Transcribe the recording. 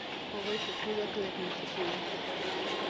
هغوی په پوزه کلک نښتي وو.